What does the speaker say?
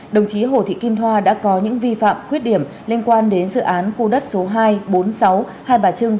đồng chí hồ thị kim thoa đã có những vi phạm khuyết điểm liên quan đến dự án khu đất số hai trăm bốn mươi sáu hai bà trưng